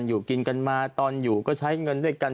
อยู่กินกันมาตอนอยู่ก็ใช้เงินด้วยกัน